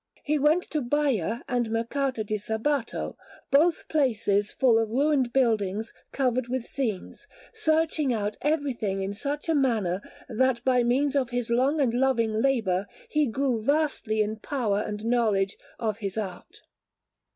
He went to Baia and Mercato di Sabbato, both places full of ruined buildings covered with scenes, searching out everything in such a manner that by means of his long and loving labour he grew vastly in power and knowledge of his art.